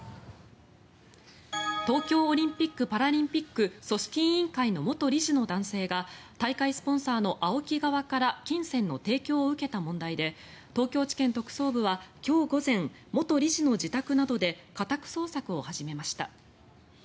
東京オリンピック・パラリンピック組織委員会の元理事の男性が大会スポンサーのＡＯＫＩ側から金銭の提供を受けた問題で東京地検特捜部は今日午前元理事の自宅などで家宅捜索を始めました。